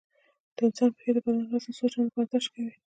د انسان پښې د بدن وزن څو چنده برداشت کوي.